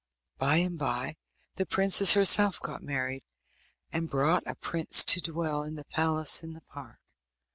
By and bye the princess herself got married, and brought a prince to dwell in the palace in the park.